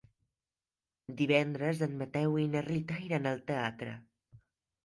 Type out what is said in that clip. Divendres en Mateu i na Rita iran al teatre.